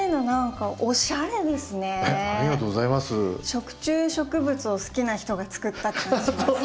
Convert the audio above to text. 食虫植物を好きな人が作ったって感じします。